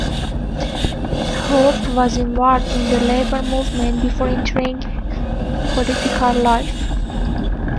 Hope was involved in the labour movement before entering political life.